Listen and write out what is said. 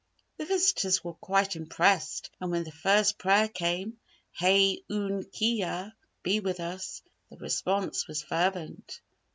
The visitors were quite impressed and when the first prayer came, "Hay oon kee ya" (Be with us) the response was fervent.